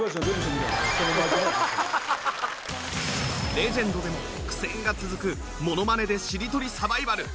レジェンドでも苦戦が続くものまねで ＤＥ しりとりサバイバル